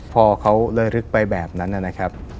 พอเขาระลึกไปแบบนั้นนะครับ